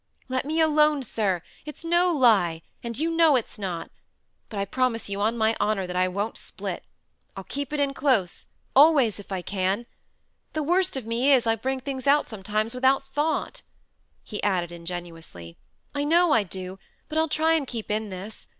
"Let me alone, sir. It's no lie, and you know it's not. But I promise you on my honour that I won't split. I'll keep it in close; always, if I can. The worst of me is, I bring things out sometimes without thought," he added ingenuously. "I know I do; but I'll try and keep in this.